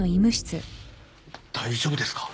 大丈夫ですか？